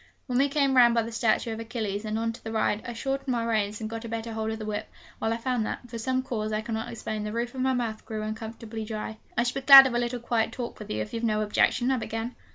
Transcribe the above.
When we came round by the statue of Achilles and on to the Ride, I shortened my reins, and got a better hold of the whip, while I found that, from some cause I cannot explain, the roof of my mouth grew uncomfortably dry. 'I should be glad of a little quiet talk with you, if you've no objection,' I began.